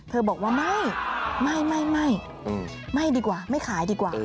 บอกว่าไม่ไม่ดีกว่าไม่ขายดีกว่า